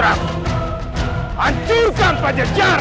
agur dengan ketat